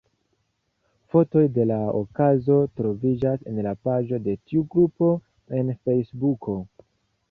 Fotoj de la okazo troviĝas en la paĝo de tiu grupo en Fejsbuko.